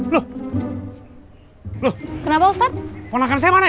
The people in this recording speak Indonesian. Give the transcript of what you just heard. loh loh kenapa ustadz ponakan saya mana ya